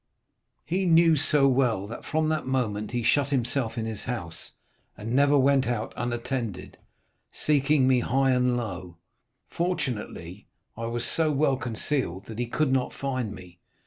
"He knew so well, that from that moment he shut himself in his house, and never went out unattended, seeking me high and low. Fortunately, I was so well concealed that he could not find me.